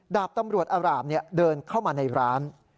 ดาบตำรวจอารามเดินเข้ามาในร้าน